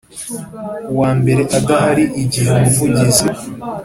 uwambere adahari Igihe umuvugizi